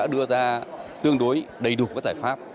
bộ trưởng đã đưa ra tương đối đầy đủ các giải pháp